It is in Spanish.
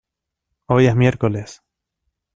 Hoy es miércoles.